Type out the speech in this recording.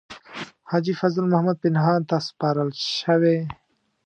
حاجي فضل محمد پنهان ته سپارل شوې.